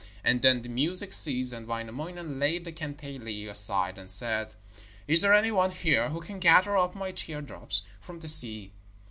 And then the music ceased, and Wainamoinen laid the kantele aside and said: 'Is there any one here who can gather up my teardrops from the sea?'